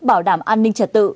bảo đảm an ninh trật tự